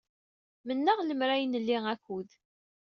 Mennaɣ lemmer d ay nli akud.